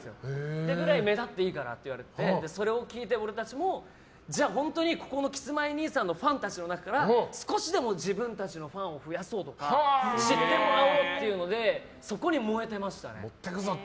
ってぐらい目立っていいからって言われて俺たちもじゃあ本当にここのキスマイ兄さんのファンたちの中から少しでも自分たちのファンを増やそうとか知ってもらおうっていうのでそこに燃えてましたね。